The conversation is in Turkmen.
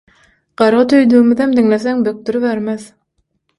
gargy tüýdügimizem diňleseň bökdüribermez